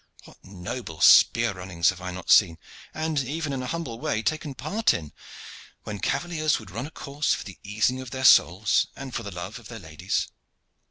What noble spear runnings have I not seen, and even in an humble way had a part in, when cavaliers would run a course for the easing of their souls and for the love of their ladies!